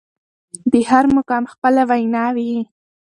د هر مقام خپله وينا وي.